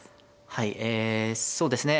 はいえそうですね